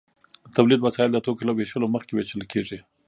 د تولید وسایل د توکو له ویشلو مخکې ویشل کیږي.